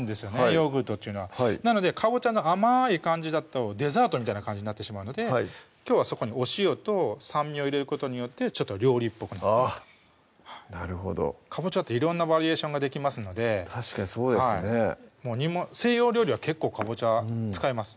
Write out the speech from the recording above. ヨーグルトっていうのはなのでかぼちゃの甘い感じだとデザートみたいな感じになってしまうのできょうはそこにお塩と酸味を入れることによってちょっと料理っぽくあぁなるほどかぼちゃって色んなバリエーションができますので確かにそうですね西洋料理は結構かぼちゃ使います